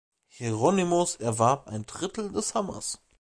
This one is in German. Hieronymus erwarb ein Drittel des Hammers.